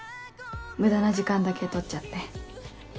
無駄な時間だけとっちゃって。